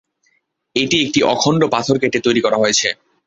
এটি একটি অখণ্ড পাথর কেটে তৈরি করা হয়েছে।